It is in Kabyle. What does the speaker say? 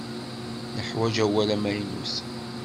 Neḥwaǧ awal amaynut?